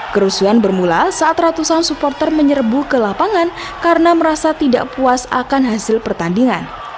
kerusuhan bermula saat ratusan supporter menyerbu ke lapangan karena merasa tidak puas akan hasil pertandingan